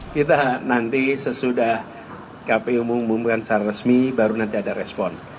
kita nanti sesudah kpu mengumumkan secara resmi baru nanti ada respon